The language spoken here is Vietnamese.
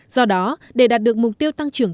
do đó để đạt được mục tiêu tăng trưởng